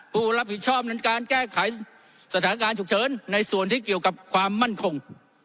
ผู้รับผิดชอบนั้นการแก้ไขสถานการณ์ฉุกเฉินในส่วนที่เกี่ยวกับความมั่นคง